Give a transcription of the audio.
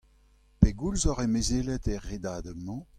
Pegoulz oc'h emezelet er redadeg-mañ ?